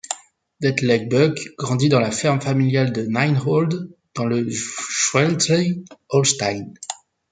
Detlev Buck grandit dans la ferme familiale de Nienwohld dans le Schleswig-Holstein.